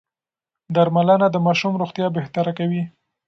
درملنه د ماشوم روغتيا بهتره کوي.